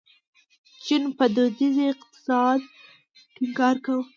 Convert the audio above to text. چین په دودیز اقتصاد ټینګار کاوه.